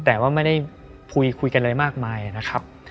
แต่ว่าไม่ได้คุยคุยกันเลยมากมายนะครับ